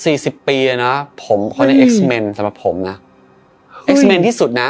สิบปีอ่ะเนอะผมคนนี้เอ็กซ์เมนสำหรับผมนะเอ็กซ์เมนที่สุดนะ